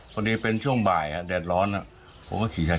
พอดีเป็นช่วงบ่ายแดดร้อนผมก็ขี่ชัด